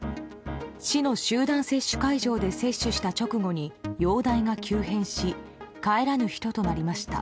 市の集団接種会場で接種した直後に容体が急変し帰らぬ人となりました。